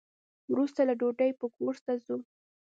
وروسته له ډوډۍ به کورس ته ځو.